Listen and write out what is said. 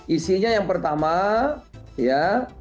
isinya yang pertama ya